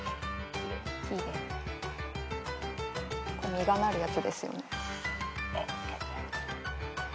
実がなるやつですよね？